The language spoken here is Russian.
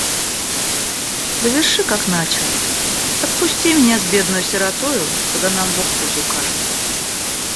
Доверши как начал: отпусти меня с бедною сиротою, куда нам бог путь укажет.